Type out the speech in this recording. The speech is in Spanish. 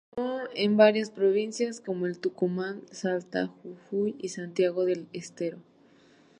Se sintió en varias provincias como Tucumán, Salta, Jujuy y Santiago del Estero.